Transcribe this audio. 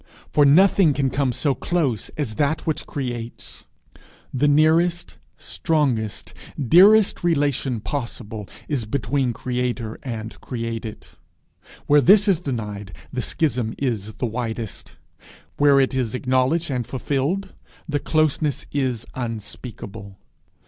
For nothing can come so close as that which creates; the nearest, strongest, dearest relation possible is between creator and created. Where this is denied, the schism is the widest; where it is acknowledged and fulfilled, the closeness is unspeakable.